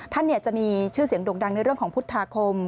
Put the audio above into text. ท่านจะมีชื่อเสียงโด่งดังในเรื่องของพุทธาคม